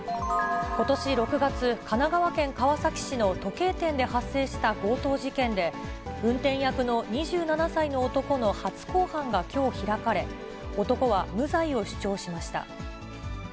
ことし６月、神奈川県川崎市の時計店で発生した強盗事件で、運転役の２７歳の男の初公判がきょう開かれ、男は無罪を主張しました。